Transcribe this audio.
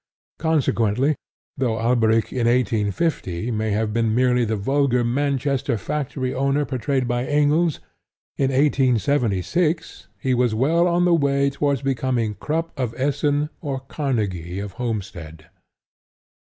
Consequently, though Alberic in 1850 may have been merely the vulgar Manchester Factory owner portrayed by Engels, in 1876 he was well on the way towards becoming Krupp of Essen or Carnegie of Homestead.